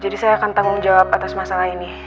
jadi saya akan tanggung jawab atas masalah ini